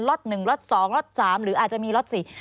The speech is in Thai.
ล็อตหนึ่งล็อตสองล็อตสามหรืออาจจะมีล็อตสี่